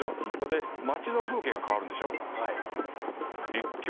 で街の風景が変わるんでしょ。